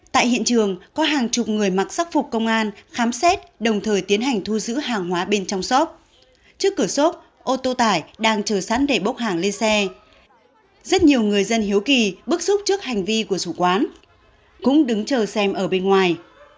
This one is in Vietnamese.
tại hiện trường có hàng chục người mặc sắc phục công an khám xét đồng thời tiến hành thu giữ hàng hóa bên trong shop trước cửa xốp ô tô tải đang chờ sẵn để bốc hàng lên xe rất nhiều người dân hiếu kỳ bức xúc trước hành vi của chủ quán cũng đứng chờ xem ở bên ngoài